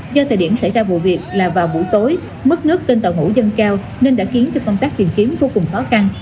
do thời điểm xảy ra vụ việc là vào buổi tối mất nước tên tàu hũ dân cao nên đã khiến công tác tìm kiếm vô cùng khó khăn